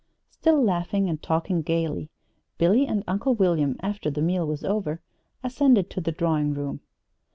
Still laughing and talking gayly, Billy and Uncle William, after the meal was over, ascended to the drawing room.